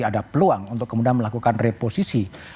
ada peluang untuk kemudian melakukan reposisi